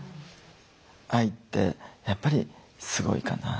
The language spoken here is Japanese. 愛ってやっぱりすごいかな。